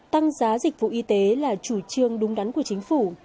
tăng giá dịch vụ y tế là chủ trương đúng đắn của chính phủ